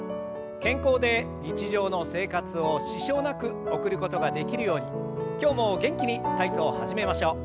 健康で日常の生活を支障なく送ることができるように今日も元気に体操を始めましょう。